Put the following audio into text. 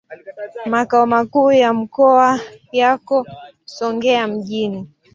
Makao makuu ya mkoa yako Songea mjini.